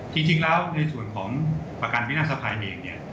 จริงแล้วในส่วนของประกันวินาศภัยเองเนี่ย